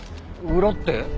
裏って？